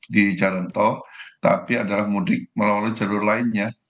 di jalan tol tapi adalah mudik melalui jalur lainnya